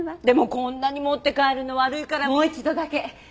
でもこんなに持って帰るの悪いからもう一度だけ。